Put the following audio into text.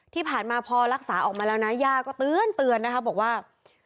ที่ผ่านมาพอรักษาออกมาแล้วนะย่าก็เตือนนะคะบอกว่า